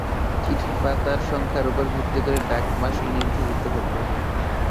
চিঠির পাতার সংখ্যার ওপর ভিত্তি করে ডাক মাশুল নির্ধারিত হত।